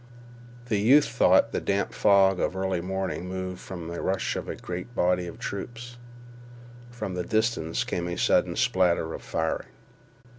The youth thought the damp fog of early morning moved from the rush of a great body of troops. From the distance came a sudden spatter of firing.